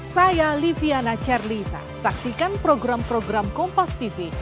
saya liviana charlisa saksikan program program kompas tv